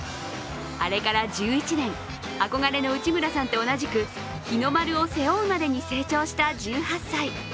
あれから１１年、憧れの内村さんと同じく日の丸を背負うまでに成長した１８歳。